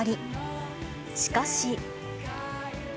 しかし。